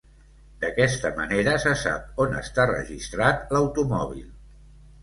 D'aquesta manera se sap on està registrat l'automòbil.